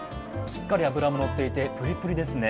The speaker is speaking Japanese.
しっかり脂ものっていてプリプリですね。